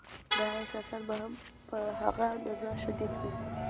دا احساسات به هم په هغه اندازه شدید وي.